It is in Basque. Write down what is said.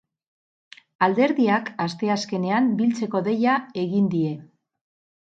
Alderdiak asteazkenean biltzeko deia egin die.